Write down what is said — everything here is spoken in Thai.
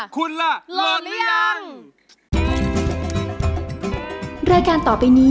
คุณล่ะหล่อหรือยัง